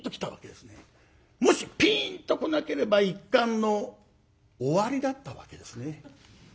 もしピーンと来なければ一巻の終わりだったわけですね。